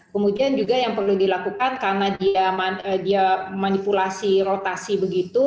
kemudian juga yang perlu dilakukan karena dia manipulasi rotasi begitu